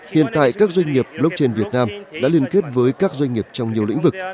hiện tại các doanh nghiệp blockchain việt nam đã liên kết với các doanh nghiệp trong nhiều lĩnh vực